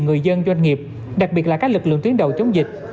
người dân doanh nghiệp đặc biệt là các lực lượng tuyến đầu chống dịch